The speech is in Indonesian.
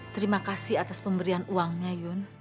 terima kasih atas pemberian uangnya yun